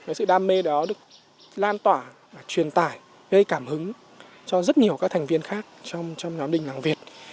cái sự đam mê đó được lan tỏa và truyền tải gây cảm hứng cho rất nhiều các thành viên khác trong nhóm đình hàng việt